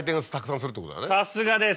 さすがです！